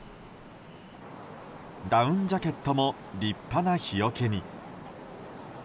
ダウンジャケットも立派な日よけに。